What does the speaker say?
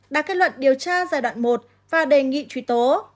đã kết luận điều tra giai đoạn một và đề nghị truy tố